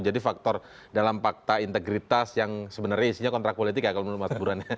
jadi faktor dalam fakta integritas yang sebenarnya isinya kontrak politik ya kalau menurut mas buran